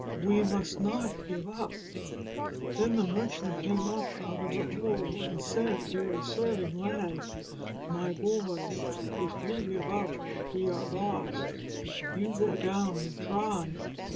"We must not give up I" Then the merchant came up out of the hole and said to a serving lad: "My boy, if you give up we are lost ! You go down and try